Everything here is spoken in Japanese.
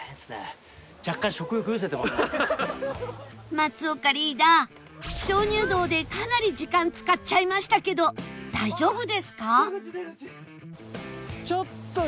松岡リーダー鍾乳洞でかなり時間使っちゃいましたけど大丈夫ですか？